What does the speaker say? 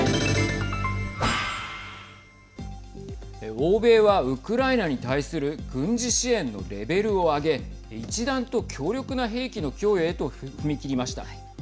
欧米はウクライナに対する軍事支援のレベルを上げ一段と強力な兵器の供与へと踏み切りました。